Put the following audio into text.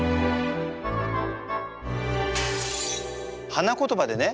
花言葉でね